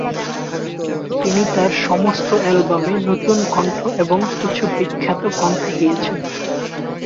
তিনি তার সমস্ত অ্যালবামে নতুন কণ্ঠ এবং কিছু বিখ্যাত কণ্ঠ দিয়েছেন।